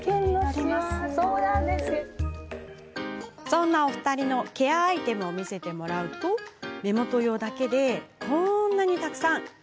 そんな、お二人のケアアイテムを見せてもらうと目元用だけで、こんなにたくさん。